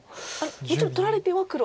もちろん取られては黒。